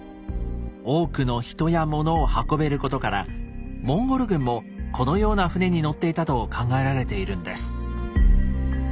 多くの人や物を運べることからモンゴル軍もこのような船に乗っていたと考えられているんです。